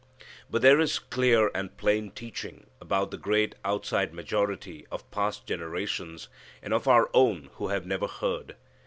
But there is clear and plain teaching about the great outside majority of past generations and of our own who have never heard.